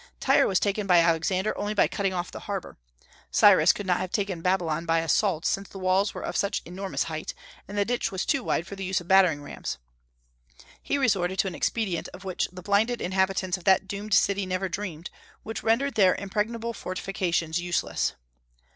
Tyre was taken by Alexander only by cutting off the harbor. Cyrus could not have taken Babylon by assault, since the walls were of such enormous height, and the ditch was too wide for the use of battering rams; he resorted to an expedient of which the blinded inhabitants of that doomed city never dreamed, which rendered their impregnable fortifications useless.